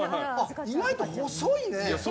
意外と細いね。